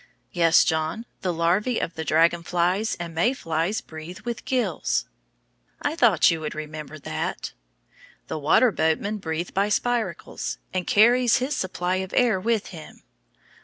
Yes, John, the larvæ of the dragon flies and May flies breathe with gills. I thought you would remember that. The water boatman breathes by spiracles, and carries his supply of air with him.